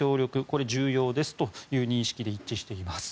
これが重要ですという認識で一致しています。